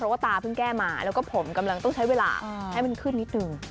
เพราะว่าตาเพิ่งแก้มาแล้วก็ผมกำลังต้องใช้เวลาให้มันขึ้นนิดนึง